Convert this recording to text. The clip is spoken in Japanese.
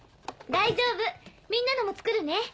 大丈夫みんなのも作るね。